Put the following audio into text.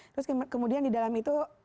terus kemudian di dalam itu